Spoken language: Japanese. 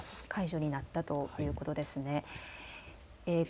解除になったということですね。